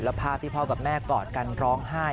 ภาพที่พ่อกับแม่กอดกันร้องไห้